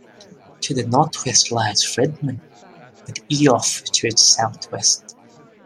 To the northwest lies Fridman, with Ioffe to its southwest.